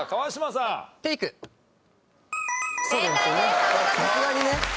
さすがにね。